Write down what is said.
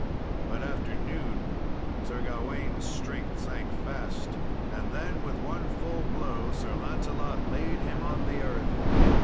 But after noon Sir Gawain's strength sank fast, and then, with one full blow, Sir Lancelot laid him on the earth.